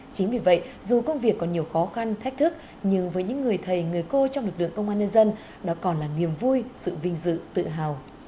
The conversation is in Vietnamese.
chính vì vậy dù công việc còn nhiều khó khăn thách thức nhưng với những người thầy người cô trong lực lượng công an nhân dân đó còn là niềm vui sự vinh dự tự hào